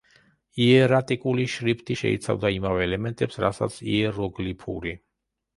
იერატიკული შრიფტი შეიცავდა იმავე ელემენტებს, რასაც იეროგლიფური.